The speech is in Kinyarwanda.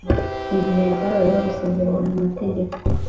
igihe hatabayeho gusezerana mu mategeko,